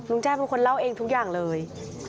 แจ้เป็นคนเล่าเองทุกอย่างเลย